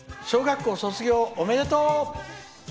小学校卒業、おめでとう。